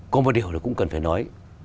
có một điều là cũng cần phải nói